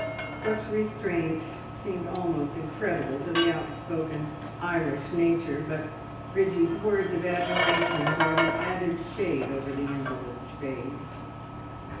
Such restraint seemed almost incredible to the outspoken Irish nature, but Bridgie's words of admiration brought an added shade over the invalid's face.